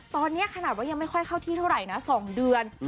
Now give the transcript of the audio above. ตอนนี้ขนาดว่ายังไม่ค่อยเข้าที่เท่าไหร่นะ๒เดือน